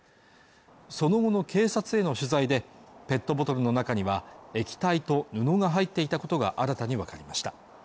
その後の警察への取材でペットボトルの中には液体と布が入っていたことが新たに分かりました